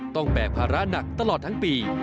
ต้องแปะภาระหนักตลอดทั้งปี